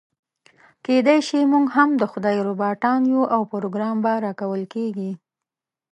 کيداشي موږ هم د خدای روباټان يو او پروګرام به راکول کېږي.